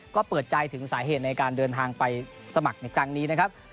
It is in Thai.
ก็เปิดใจถึงสาเหตุในการเดินทางไปสมัครในครั้งนี้นะครับ